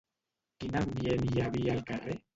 Quin ambient hi havia al carrer?